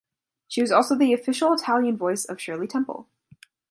She was also the official Italian voice of Shirley Temple.